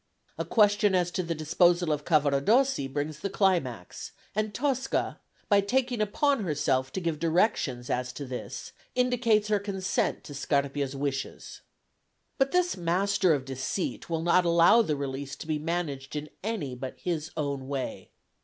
A question as to the disposal of Cavaradossi brings the climax, and Tosca, by taking upon herself to give directions as to this, indicates her consent to Scarpia's wishes. But this master of deceit will not allow the release to be managed in any but his own way.